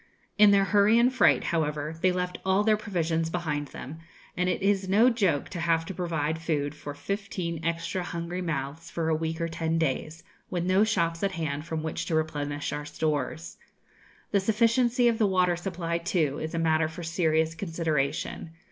In their hurry and fright, however, they left all their provisions behind them, and it is no joke to have to provide food for fifteen extra hungry mouths for a week or ten days, with no shops at hand from which to replenish our stores. The sufficiency of the water supply, too, is a matter for serious consideration.